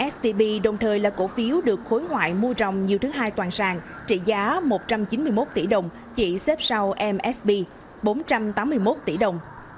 stb đồng thời là cổ phiếu được khối ngoại mua rồng nhiều thứ hai toàn sàng trị giá một trăm chín mươi một tỷ đồng chỉ xếp sau msb bốn trăm tám mươi một tỷ đồng